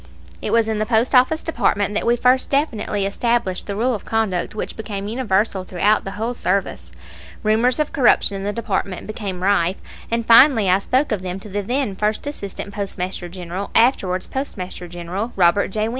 It was in the Post Office Department that we first definitely established the rule of conduct which became universal throughout the whole service. Rumors of corruption in the department became rife, and finally I spoke of them to the then First Assistant Postmaster General, afterwards Postmaster General, Robert J.